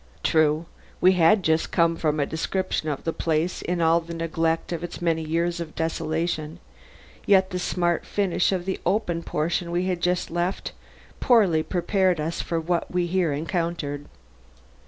True, we had just come from a description of the place in all the neglect of its many years of desolation, yet the smart finish of the open portion we had just left poorly prepared us for what we here encountered.